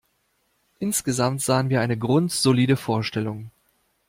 Insgesamt sahen wir eine grundsolide Vorstellung.